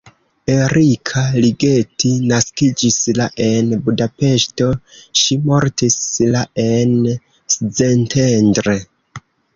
Erika Ligeti naskiĝis la en Budapeŝto, ŝi mortis la en Szentendre.